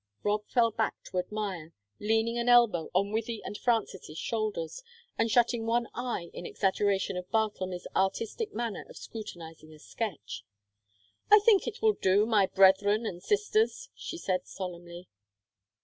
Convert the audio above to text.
Rob fell back to admire, leaning an elbow on Wythie and Frances's shoulders, and shutting one eye in exaggeration of Bartlemy's artistic manner of scrutinizing a sketch. "I think it will do, my brethren and sisters," she said, solemnly.